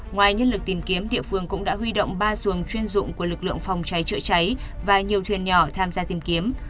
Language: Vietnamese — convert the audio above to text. ngoài nhân lực tìm kiếm địa phương cũng đã huy động ba xuồng chuyên dụng của lực lượng phòng cháy chữa cháy và nhiều thuyền nhỏ tham gia tìm kiếm